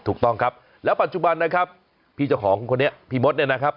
ถูกต้องครับแล้วปัจจุบันนะครับพี่เจ้าของคนนี้พี่มดเนี่ยนะครับ